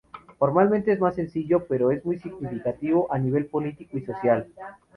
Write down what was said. Formalmente es más sencillo, pero es muy significativo a nivel político y social.